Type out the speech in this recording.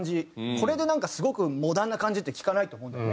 これでなんかすごくモダンな感じって聞かないと思うんだよね。